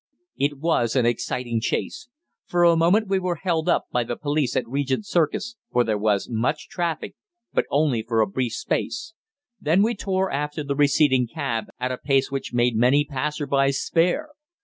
It was an exciting chase. For a moment we were held up by the police at Regent Circus, for there was much traffic, but only for a brief space; then we tore after the receding cab at a pace which made many passers by stare.